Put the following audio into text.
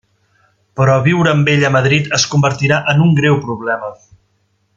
Però viure amb ell a Madrid es convertirà en un greu problema.